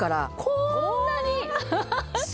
こんなに！